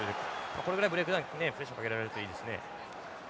これくらいブレイクダウンプレッシャーかけられるといいですね。